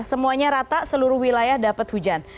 semuanya rata seluruh wilayah dapat hujan